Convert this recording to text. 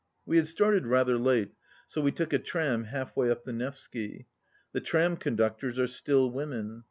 We had started rather late, so we took a tram half way up the Nevsky. The tram conductors are still women.